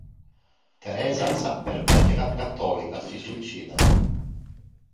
Teresa, fervente cattolica si suicida.